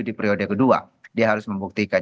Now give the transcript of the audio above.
di periode kedua dia harus membuktikan